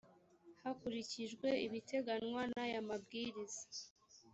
hakurikijwe ibiteganywa n’aya mabwiriza